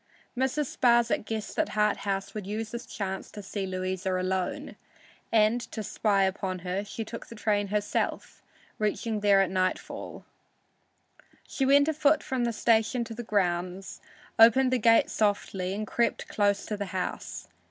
Mrs. Sparsit guessed that Harthouse would use this chance to see Louisa alone, and, to spy upon her, took the train herself, reaching there at nightfall. She went afoot from the station to the grounds, opened the gate softly and crept close to the house.